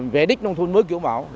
về đích nông thôn mới kiểu báo